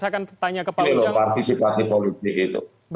ini loh partisipasi politik itu